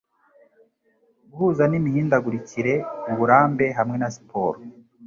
guhuza n'imihindagurikire, uburambe, hamwe na siporo